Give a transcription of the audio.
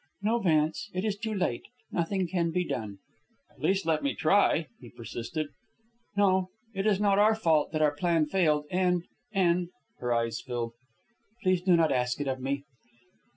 "No, Vance. It is too late. Nothing can be done." "At least let me try," he persisted. "No; it is not our fault that our plan failed, and ... and ..." Her eyes filled. "Please do not ask it of me."